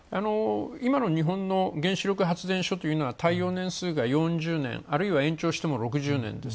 今の日本の原子力発電所というのは耐用年数が４０年、あるいは延長しても６０年です。